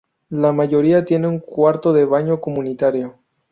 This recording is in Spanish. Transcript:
La mayoría tienen un cuarto de baño comunitario.